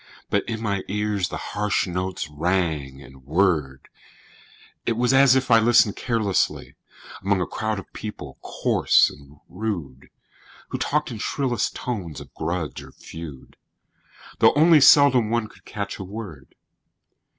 But in my ears the harsh notes rang and whirred; It was as if I listened carelessly Among a crowd of people coarse and rude, Who talked in shrillest tones of grudge or feud, Though only seldom one could catch a word.